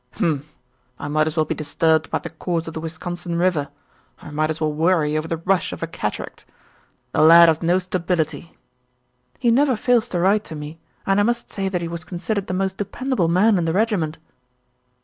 "Humph! I might as well be disturbed about the course of the Wisconsin River. I might as well worry over the rush of a cataract. The lad has no stability." "He never fails to write to me, and I must say that he was considered the most dependable man in the regiment."